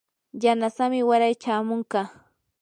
yanasamii waray chamunqa.